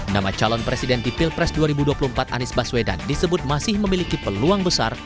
nama calon presiden di pilpres dua ribu dua puluh empat anies baswedan disebut masih memiliki peluang besar